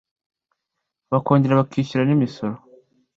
bakongera bakishyura n’imisoro